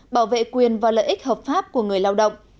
bảo vệ quyền và lợi ích hợp pháp của người lao động